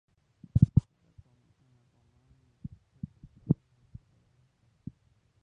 En Aquaman interpreta al padre del protagonista.